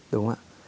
đúng không ạ